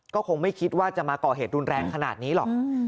ก็คงไม่คิดว่าจะมาก่อเหตุรุนแรงขนาดนี้หรอก